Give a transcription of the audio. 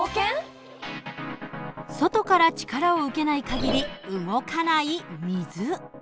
外から力を受けない限り動かない水。